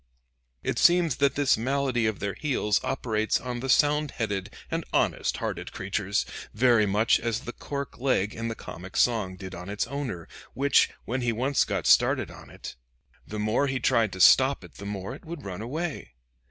It seems that this malady of their heels operates on the sound headed and honest hearted creatures, very much as the cork leg in the comic song did on its owner, which, when he once got started on it, the more he tried to stop it the more it would run away.